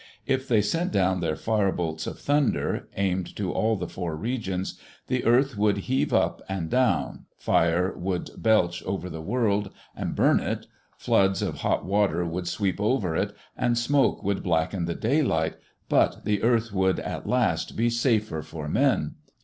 If they sent down their fire bolts of thunder, aimed to all the four regions, the earth would heave up and down, fire would, belch over the world and burn it, floods of hot water would sweep over it, smoke would blacken the daylight, but the earth would at last be safer for men.